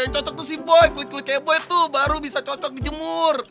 cocok tuh si boi kulit kulit kayak boi tuh baru bisa cocok dijemur